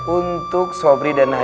untuk sobri dan aisyah